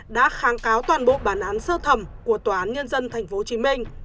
đã kháng cáo toàn bộ bản án sơ thẩm của tòa án nhân dân tp hcm